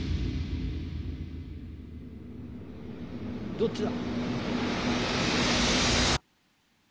どっちだ？